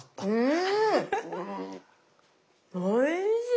うん。